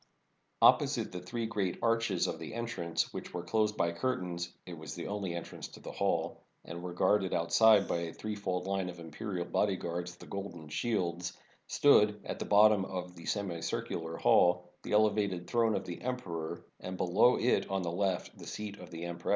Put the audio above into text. Opposite the three great arches of the entrance, which were closed by curtains — it was the only entrance to the hall — and were guarded outside by a threefold line of imperial bodyguards, the "Golden Shields," stood, at the bottom of the semicircular hall, the elevated throne of the emperor, and below it on the left the seat of the empress.